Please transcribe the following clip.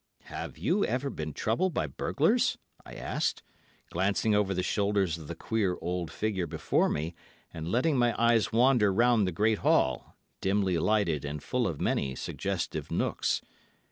'Have you ever been troubled by burglars?' I asked, glancing over the shoulders of the queer old figure before me, and letting my eyes wander round the great hall, dimly lighted and full of many suggestive nooks.